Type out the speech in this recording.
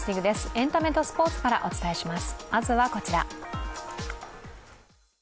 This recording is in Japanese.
エンタメとスポーツからお伝えします。